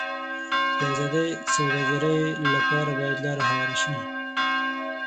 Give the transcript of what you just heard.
د ازادې سوداګرۍ لپاره باید لار هواره شي.